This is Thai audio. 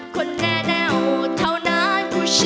คนแนวเท่านั้นก็ชนะ